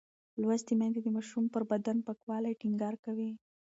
لوستې میندې د ماشوم پر بدن پاکوالی ټینګار کوي.